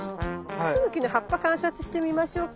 クスノキの葉っぱ観察してみましょうか。